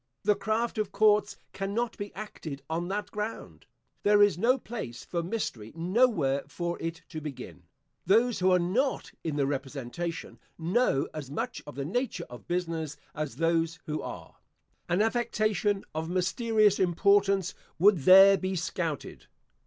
The craft of courts cannot be acted on that ground. There is no place for mystery; nowhere for it to begin. Those who are not in the representation, know as much of the nature of business as those who are. An affectation of mysterious importance would there be scouted.